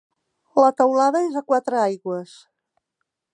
La teulada és a quatre aigües.